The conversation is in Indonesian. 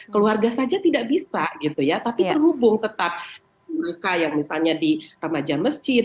keluarga saja tidak bisa tapi terhubung tetap mereka yang misalnya di remaja mesjid